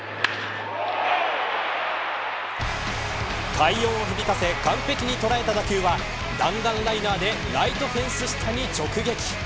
快音を響かせ完璧に捉えた打球は弾丸ライナーでライトフェンス下に直撃。